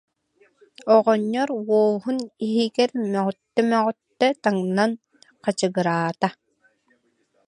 Оҕонньор уоһун иһигэр мөҥүттэ-мөҥүттэ таҥнан хачыгыраата.